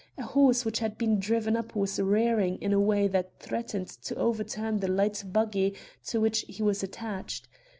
A horse which had been driven up was rearing in a way that threatened to overturn the light buggy to which he was attached.